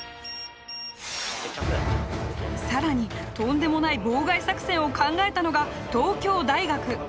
更にとんでもない妨害作戦を考えたのが東京大学。